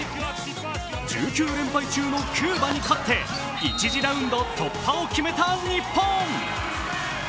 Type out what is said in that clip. １９連覇中のキューバに勝って、１次ラウンド突破を決めた日本。